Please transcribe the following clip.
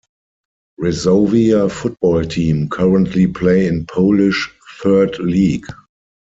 Resovia football team currently play in Polish Third League.